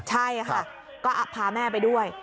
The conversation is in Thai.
ใช่ค่ะก็พาแม่ไปด้วย